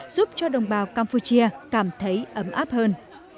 giúp cho đồng bào campuchia cảm thấy ấm áp hơn